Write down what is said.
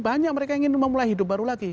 banyak mereka ingin memulai hidup baru lagi